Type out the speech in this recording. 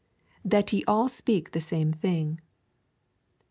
That ye all speak the same thing.